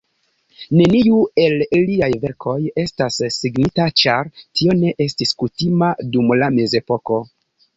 Neniu el liaj verkoj estas signita, ĉar tio ne estis kutima dum la mezepoko.